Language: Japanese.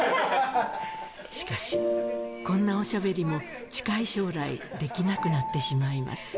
しかし、こんなおしゃべりも近い将来、できなくなってしまいます。